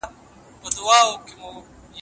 زه اوس په خپل کور کې شنا کوم.